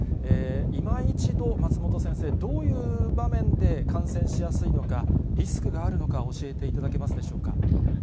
いま一度松本先生、どういう場面で感染しやすいのか、リスクがあるのか、教えていただけますでしょうか。